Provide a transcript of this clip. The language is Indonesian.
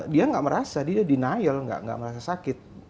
dia tidak merasa dia denial tidak merasa sakit